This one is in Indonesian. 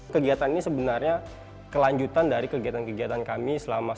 kegiatan ini sebenarnya kelanjutan dari kegiatan kegiatan kami selama satu lima tahun